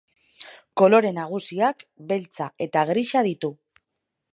Kolore nagusiak beltza eta grisa ditu.